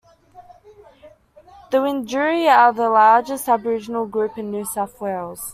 The Wiradjuri are the largest Aboriginal group in New South Wales.